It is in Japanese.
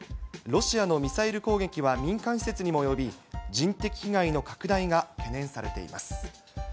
ロシアのミサイル攻撃は民間施設にも及び、人的被害の拡大が懸念されています。